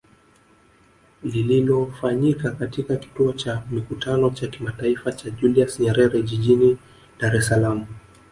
Lililofanyika katika kituo cha Mikutano cha Kimataifa cha Julius Nyerere jijini Dar es Salaam